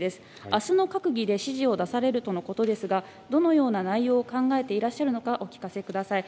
あすの閣議で指示を出されるとのことですが、どのような内容を考えていらっしゃるのかお聞かせください。